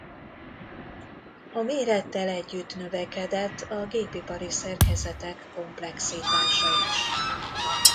A mérettel együtt növekedett a gépipari szerkezetek komplexitása is.